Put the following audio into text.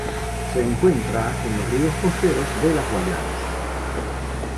Se encuentra en los ríos costeros de las Guayanas.